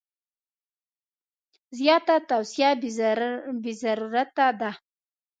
زیاته توصیه بې ضرورته ده.